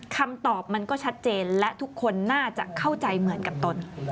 คำตอบมันก็ชัดเจนและทุกคนน่าจะเข้าใจเหมือนกับตน